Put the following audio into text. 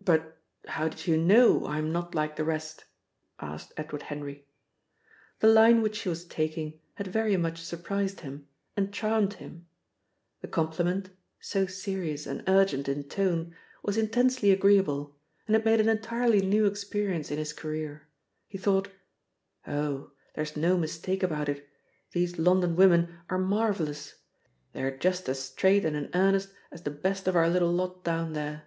"But how did you know I'm not like the rest?" asked Edward Henry. The line which she was taking had very much surprised him, and charmed him. The compliment, so serious and urgent in tone, was intensely agreeable, and it made an entirely new experience in his career. He thought: "Oh! There's no mistake about it. These London women are marvellous! They're just as straight and in earnest as the best of our little lot down there.